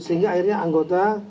sehingga akhirnya anggota